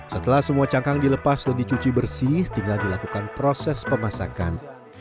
setelah semua cangkang dilepas dan dicuci bersih tinggal dilakukan proses pemasakan